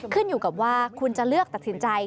ขึ้นอยู่กับว่าคุณจะเลือกตัดสินใจ